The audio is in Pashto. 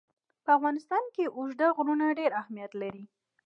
په افغانستان کې اوږده غرونه ډېر اهمیت لري.